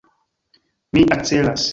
Mi akcelas.